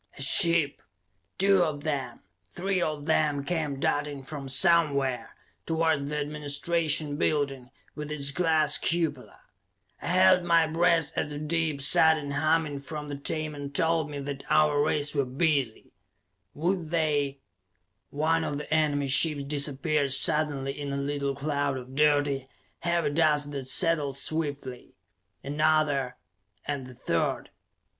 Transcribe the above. A ship, two of them, three of them came darting from somewhere, towards the administration building, with its glass cupola. I held my breath as the deep, sudden humming from the Tamon told me that our rays were busy. Would they One of the enemy ships disappeared suddenly in a little cloud of dirty, heavy dust that settled swiftly. Another ... and the third.